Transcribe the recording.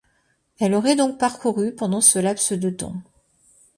Elle aurait donc parcouru pendant ce laps de temps.